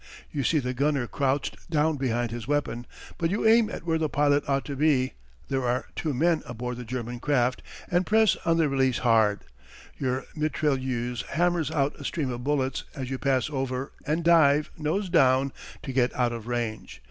You see the gunner crouched down behind his weapon, but you aim at where the pilot ought to be there are two men aboard the German craft and press on the release hard. Your mitrailleuse hammers out a stream of bullets as you pass over and dive, nose down, to get out of range.